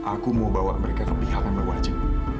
aku mau bawa mereka ke pihak yang berwajib